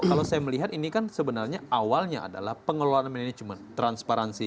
kalau saya melihat ini kan sebenarnya awalnya adalah pengelolaan manajemen transparansi